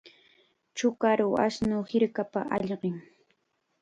Chukaru ashnu hirkapa ayqin.